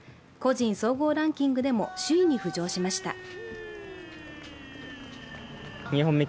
個人総合ランキングでも首位に浮上しました。